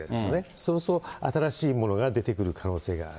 そうすると新しいものが出てくる可能性がある。